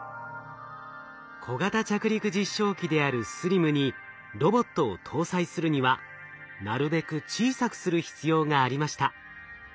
小型着陸実証機であるＳＬＩＭにロボットを搭載するにはなるべく小さくする必要がありました。